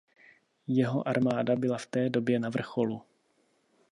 Jeho armáda byla v té době na vrcholu.